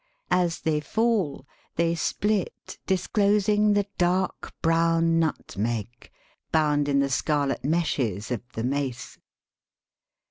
As they fall they split, disclosing the dark brown nutmeg bound in the scarlet meshes of the mace.